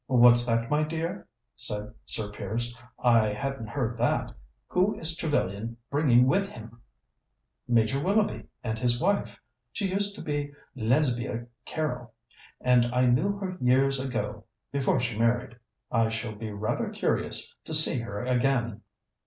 "What's that, my dear?" said Sir Piers. "I hadn't heard that. Who is Trevellyan bringing with him?" "Major Willoughby and his wife. She used to be Lesbia Carroll, and I knew her years ago before she married. I shall be rather curious to see her again."